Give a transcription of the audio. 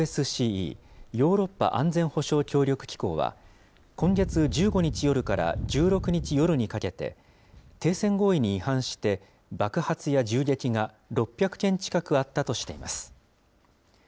・ヨーロッパ安全保障協力機構は、今月１５日夜から１６日夜にかけて、停戦合意に違反して、爆発や銃撃が６００件近くあったとしています。